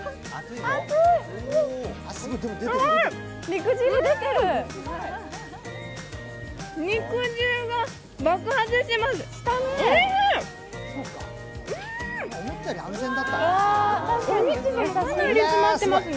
肉汁が爆発します。